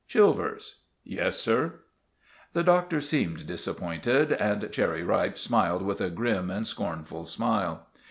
"Chilvers?" "Yes, sir." The Doctor seemed disappointed, and Cherry Ripe smiled with a grim and scornful smile.